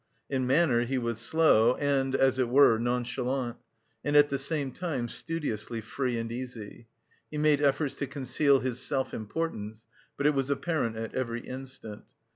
In manner he was slow and, as it were, nonchalant, and at the same time studiously free and easy; he made efforts to conceal his self importance, but it was apparent at every instant.